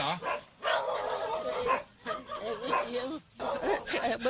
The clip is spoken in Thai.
โอ้โฮคุณบอกว่าโอ้โฮไหนนะ